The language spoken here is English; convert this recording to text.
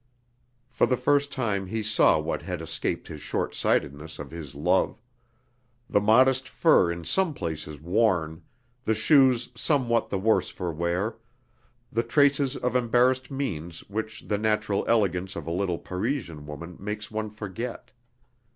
For the first time he saw what had escaped the shortsightedness of his love: the modest fur in some places worn, the shoes somewhat the worse for wear, the traces of embarrassed means which the natural elegance of a little Parisian woman makes one forget.